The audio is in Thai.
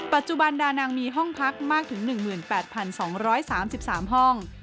ปัจจุบันดานังมีห้องพักมากถึง๑๘๒๓๓ห้อง